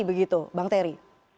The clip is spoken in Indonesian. begitu bang terry